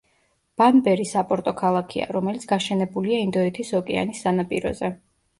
ბანბერი საპორტო ქალაქია, რომელიც გაშენებულია ინდოეთის ოკეანის სანაპიროზე.